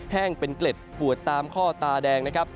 แห้งเป็นเกล็ดปวดตามข้อตาแดงนะครับ